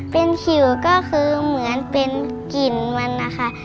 เป็นขิวก็คือเหมือนเป็นกลิ่นมันนะคะ